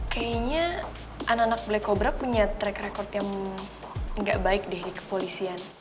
kayaknya anak anak black cobra punya track record yang gak baik deh di kepolisian